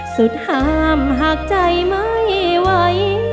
ห้ามหากใจไม่ไหว